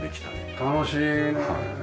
楽しいね。